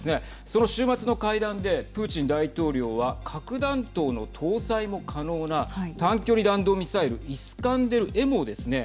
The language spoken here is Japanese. その週末の会談でプーチン大統領は核弾頭の搭載も可能な短距離弾道ミサイルイスカンデルＭをですね